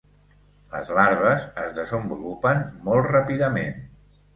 Les larves es desenvolupen molt ràpidament.